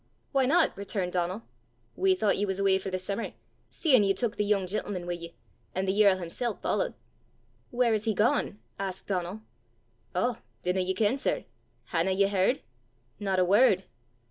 "Why not?" returned Donal. "We thoucht ye was awa' for the simmer, seein' ye tuik the yoong gentleman wi' ye, an' the yerl himsel' followt!" "Where is he gone?" asked Donal. "Oh! dinna ye ken, sir? hae na ye h'ard?" "Not a word."